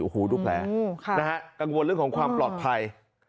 กังวลเรื่องของความปลอดภัย